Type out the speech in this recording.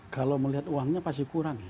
kalau melihat uangnya pasti kurang ya